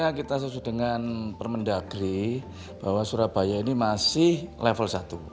karena kita sesuai dengan permendagri bahwa surabaya ini masih level satu